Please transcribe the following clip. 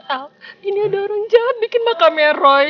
oh ini ada orang jahat bikin makamnya roy